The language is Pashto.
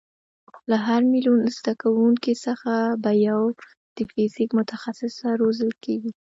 له هر میلیون زده کوونکیو څخه به یو د فیزیک متخصصه روزل کېږي.